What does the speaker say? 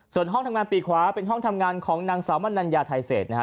ส่วนห้องทำงานปีกขวาเป็นห้องทำงานของนางสาวมนัญญาไทยเศษนะฮะ